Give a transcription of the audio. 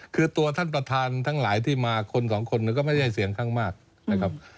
คือตัวท่านประธานทั้งหลายที่มาคนสองคนก็ไม่ใช่เสียงข้างมากนะครับ